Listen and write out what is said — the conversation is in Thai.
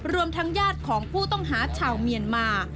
รวมทั้งญาติของผู้ต้องหาชาวเมียนมา